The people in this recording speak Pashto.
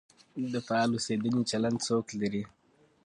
د فعال اوسېدنې چلند څوک لري؟